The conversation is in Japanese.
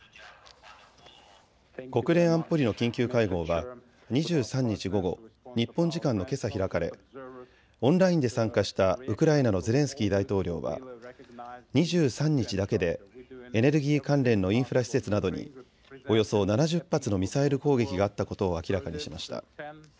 国連安保理の緊急会合は２３日午後、日本時間のけさ開かれ、オンラインで参加したウクライナのゼレンスキー大統領は２３日だけでエネルギー関連のインフラ施設などにおよそ７０発のミサイル攻撃があったことを明らかにしました。